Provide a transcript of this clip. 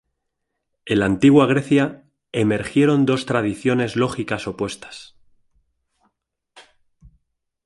En la Antigua Grecia, emergieron dos tradiciones lógicas opuestas.